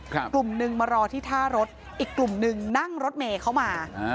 กลุ่มหนึ่งมารอที่ท่ารถอีกกลุ่มหนึ่งนั่งรถเมย์เข้ามาอ่า